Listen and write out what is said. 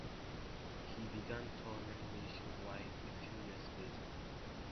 He began touring nationwide a few years later.